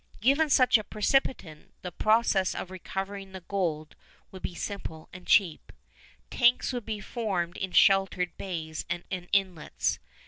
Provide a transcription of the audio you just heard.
Given such a precipitant, the process of recovering the gold would be simple and cheap. Tanks would be formed in sheltered bays and inlets.